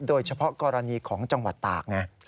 โดยเฉพาะกรณีของจังหวัดตากไง